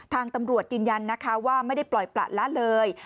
ทางตำรวจยืนยันนะคะว่าไม่ได้ปล่อยประละเลย